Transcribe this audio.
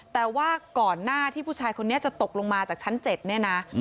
แต่ว่าก่อนหน้าที่ผู้ชายคนนี้จะตกลงมาจากชั้น๗เนี่ยนะ